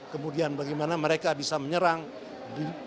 kemudian bagaimana mereka beraksi dengan sepak bola